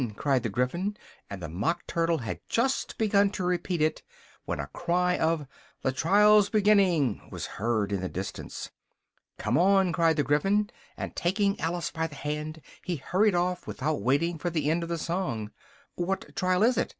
cried the Gryphon, and the Mock Turtle had just begun to repeat it, when a cry of "the trial's beginning!" was heard in the distance. "Come on!" cried the Gryphon, and, taking Alice by the hand, he hurried off, without waiting for the end of the song. "What trial is it?"